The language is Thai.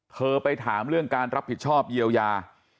ไปถามเรื่องการรับผิดชอบเยียวยา